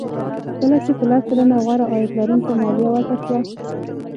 کله چې په لس سلنه غوره عاید لرونکو مالیه وضع شوه